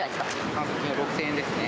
反則金６０００円ですね。